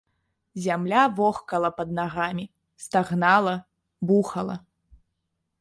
Зямля вохкала пад нагамі, стагнала, бухала.